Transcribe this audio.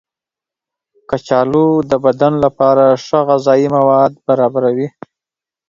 کچالو د بدن لپاره ښه غذايي مواد برابروي.